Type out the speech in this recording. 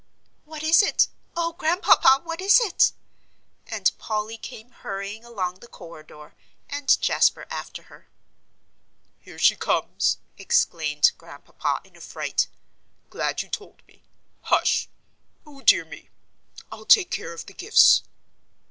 "What is it oh, Grandpapa, what is it?" and Polly came hurrying along the corridor, and Jasper after her. "Here she comes!" exclaimed Grandpapa, in a fright. "Glad you told me Hush O dear me I'll take care of the gifts."